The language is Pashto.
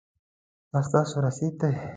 دا ستاسو رسید دی